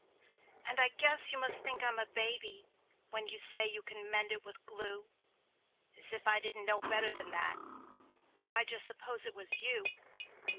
And I guess you must think I'm a baby, when you say you can mend it with glue: As if I didn't know better than that! Why, just suppose it was you?